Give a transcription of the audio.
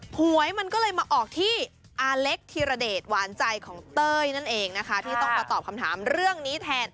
หวยมันก็เลยมาออกที่อาเล็กธิรเดชหวานใจของเต้ยนั่นเองนะคะที่ต้องมาตอบคำถามเรื่องนี้แทน